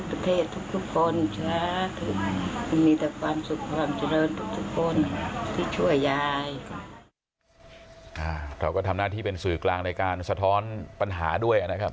เราก็ทำหน้าที่เป็นสื่อกลางในการสะท้อนปัญหาด้วยนะครับ